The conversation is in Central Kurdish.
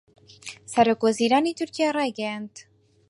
سەرۆکوەزیرانی تورکیا رایگەیاند